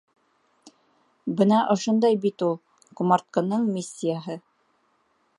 Бына ошондай бит ул ҡомартҡының миссияһы.